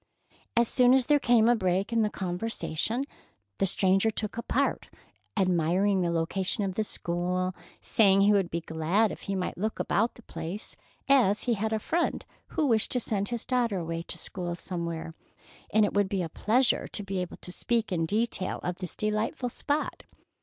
As soon as there came a break in the conversation, the stranger took a part, admiring the location of the school, and saying he would be glad if he might look about the place, as he had a friend who wished to send his daughter away to school somewhere, and it would be a pleasure to be able to speak in detail of this delightful spot.